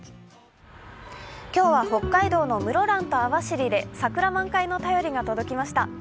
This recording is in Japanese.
今日は北海道の室蘭と網走で桜満開の便りが届きました。